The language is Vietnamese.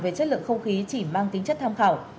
về chất lượng không khí chỉ mang tính chất tham khảo